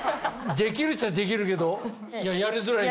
できるっちゃできるけどやりづらいよ。